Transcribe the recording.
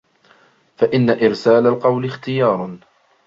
فَإِنَّ إرْسَالَ الْقَوْلِ اخْتِيَارٌ